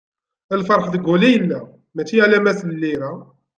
Lferḥ deg wul i yella, mačči alamma s llira.